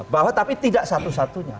bahwa tapi tidak satu satunya